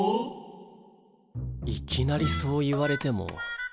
いきなりそう言われても。